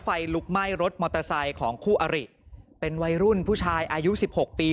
ไฟลุกไหม้รถมอเตอร์ไซค์ของคู่อริเป็นวัยรุ่นผู้ชายอายุสิบหกปี